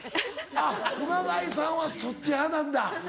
あっ熊谷さんはそっち派なんだ。